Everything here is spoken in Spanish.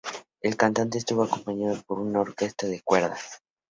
El cantante estuvo acompañado por una orquesta de cuerdas.